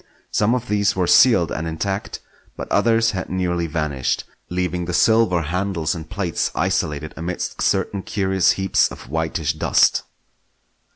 Some of these were sealed and intact, but others had nearly vanished, leaving the silver handles and plates isolated amidst certain curious heaps of whitish dust.